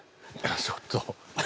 ちょっと。